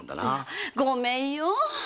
ごめんよ。